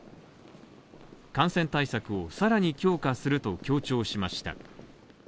感染対策をさらに強化すると強調しました。